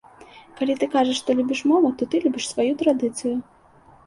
Калі ты кажаш, што любіш мову, то ты любіш сваю традыцыю.